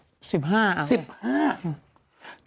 ๑๕ล้านบาท